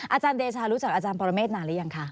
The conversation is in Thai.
อาจารย์เดชารู้จักอาจารย์ปรเมฆนานหรือยังคะ